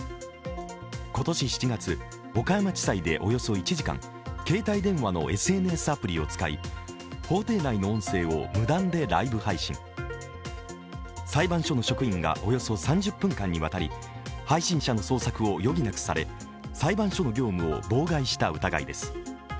今年７月、岡山地裁でおよそ１時間、携帯電話のＳＮＳアプリを使い法廷内の音声を無断でライブ配信裁判所の職員がおよそ３０分間にわたり配信者の捜索を余儀なくされ裁判所の業務を妨害した疑いです。